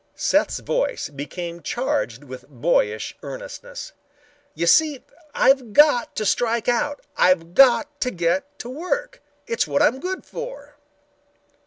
Seth's voice became charged with boyish earnestness. "You see, I've got to strike out. I've got to get to work. It's what I'm good for."